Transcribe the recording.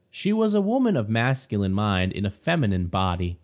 She was a woman of a masculine mind in a feminine body.